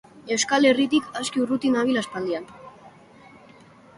Euskal Herritik aski urruti nabil aspaldian.